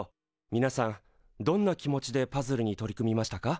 みなさんどんな気持ちでパズルに取り組みましたか？